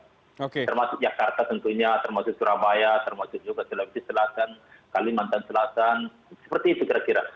termasuk jakarta tentunya termasuk surabaya termasuk juga sulawesi selatan kalimantan selatan seperti itu kira kira